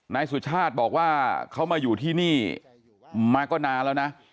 นายสุชาติบอกว่าเขามาอยู่ที่นี่มาก็นานแล้วนะ